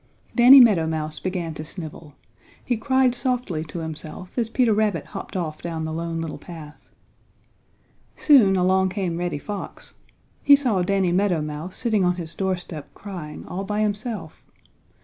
Danny Meadow Mouse began to snivel. He cried softly to himself as Peter Rabbit hopped off down the Lone Little Path. Soon along came Reddy Fox. He saw Danny Meadow Mouse sitting on his doorstep crying all by himself.